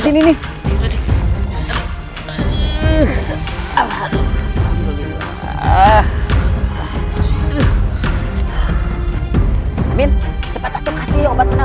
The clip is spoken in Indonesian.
terima kasih atas dukungan anda